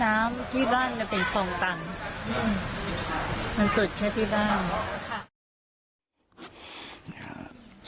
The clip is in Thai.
น้ำที่บ้านมันเป็นคลองตันอืมมันสดแค่ที่บ้านค่ะ